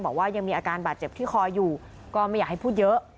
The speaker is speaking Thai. บอกว่ายังมีอาการบาดเจ็บที่คออยู่ก็ไม่อยากให้พูดเยอะ